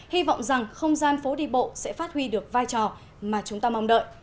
hy vọng rằng không gian phố đi bộ sẽ phát huy được vai trò mà chúng ta mong đợi